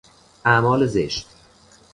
اعمال زشت